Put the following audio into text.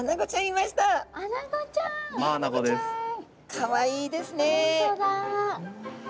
かわいいですね。